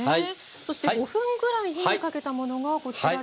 そして５分ぐらい火にかけたものがこちらです。